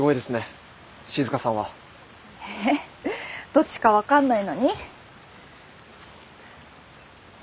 どっちか分かんないのに？